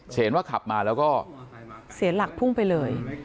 เห็นว่าขับมาแล้วก็เสียหลักพุ่งไปเลย